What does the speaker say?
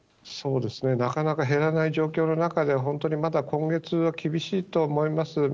そうですね、なかなか減らない状況の中で、本当にまだ今月は厳しいとは思います。